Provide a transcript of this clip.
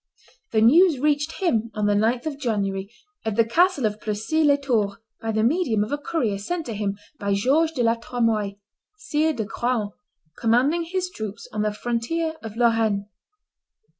The news reached him on the 9th of January, at the castle of Plessis les Tours, by the medium of a courier sent to him by George de la Tremoille, Sire de Craon, commanding his troops on the frontier of Lorraine.